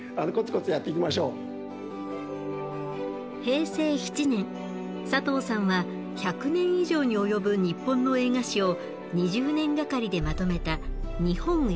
平成７年佐藤さんは１００年以上に及ぶ日本の映画史を２０年がかりでまとめた「日本映画史」を発表。